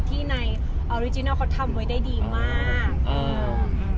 ที่ในออริจินัลเขาทำไว้ได้ดีมากเออ